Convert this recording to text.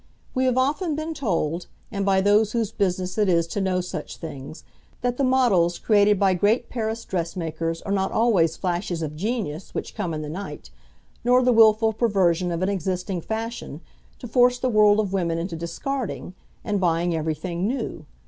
We have often been told, and by those whose business it is to know such things, that the models created by great Paris dressmakers are not always flashes of genius which come in the night, nor the wilful perversion of an existing fashion, to force the world of women into discarding, and buying everything new.